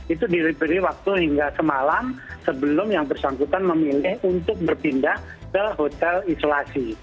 itu diberi waktu hingga semalam sebelum yang bersangkutan memilih untuk berpindah ke hotel isolasi